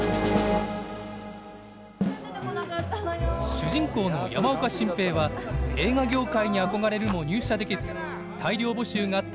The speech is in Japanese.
主人公の山岡進平は映画業界に憧れるも入社できず大量募集があった